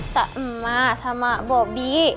tak emak sama bobby